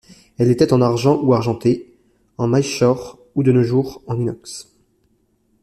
Elle était en argent ou argentée, en maillechort, et de nos jours en inox.